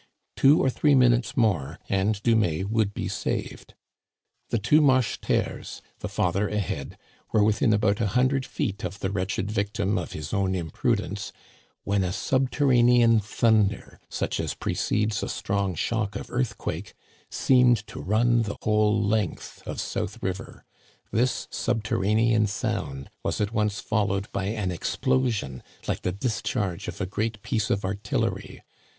Two or three minutes more and Dumais would be saved. The two Marcheterres, the father ahead, were within about a hundred feet of the wretched victim of his own imprudence, when a subterranean thunder, such as pre cedes a strong shock of earthquake, seemed to run the whole length of South River. This subterranean sound was at once followed by an explosion like the discharge of a great piece of artillery.